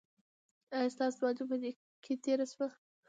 ایا ستاسو ځواني په نیکۍ تیره شوه؟